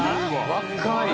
若い！